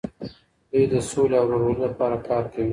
دوی د سولې او ورورولۍ لپاره کار کوي.